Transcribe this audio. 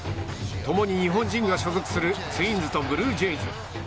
共に日本人が所属するツインズとブルージェイズ。